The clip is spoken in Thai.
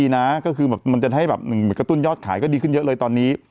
นะก็คือแบบมันจะให้แบบกระตุ้นยอดขายก็ดีขึ้นเยอะเลยตอนนี้